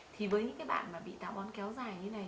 thì với những cái bạn mà bị táo bón kéo dài như này